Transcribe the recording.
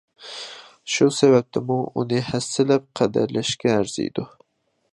شۇ سەۋەبتىنمۇ ئۇنى ھەسسىلەپ قەدىرلەشكە ئەرزىيدۇ.